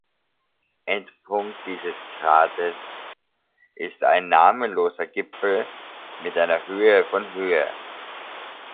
Endpunkt dieses Grates ist ein namenloser Gipfel mit einer Höhe von Höhe.